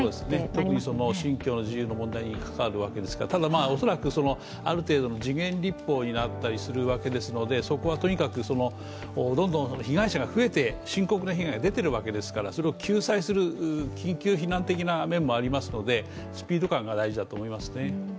特に信教の自由に関わるわけですから、恐らくある程度の時限立法になるわけですのでどんどん被害者が増えて、深刻な被害が出ているわけですからそれを救済する緊急避難的な面もありますので、スピード感が大事だと思いますね。